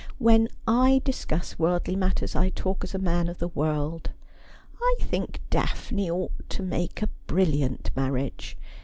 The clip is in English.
When I discuss worldly matters I talk as a man of the world. I think Daphne ought to make a brilliant marriage.